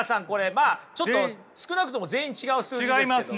まあ少なくとも全員違う数字ですけどね。